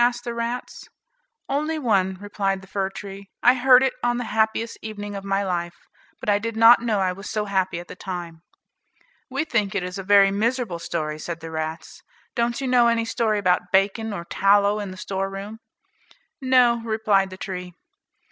asked the rats. "Only one," replied the fir tree; "I heard it on the happiest evening of my life; but I did not know I was so happy at the time." "We think it is a very miserable story," said the rats. "Don't you know any story about bacon, or tallow in the storeroom." "No," replied the tree.